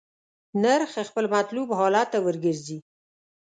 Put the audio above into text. نرخ خپل مطلوب حالت ته ورګرځي.